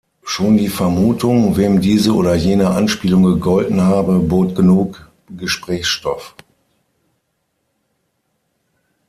Schon die Vermutung, wem diese oder jene Anspielung gegolten habe, bot genug Gesprächsstoff.